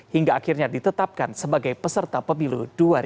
hingga akhirnya ditetapkan sebagai peserta pemilu dua ribu dua puluh